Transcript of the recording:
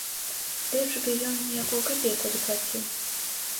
Лепш бы ён мне якую капейку заплаціў.